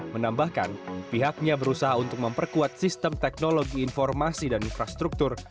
menambahkan pihaknya berusaha untuk memperkuat sistem teknologi informasi dan infrastruktur